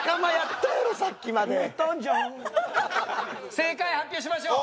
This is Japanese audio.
正解発表しましょう。